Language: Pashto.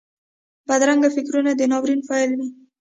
بدرنګه فکرونه د ناورین پیل وي